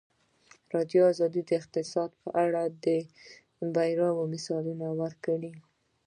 ازادي راډیو د اقتصاد په اړه د بریاوو مثالونه ورکړي.